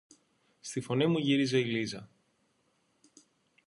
Στη φωνή μου γύρισε η Λίζα.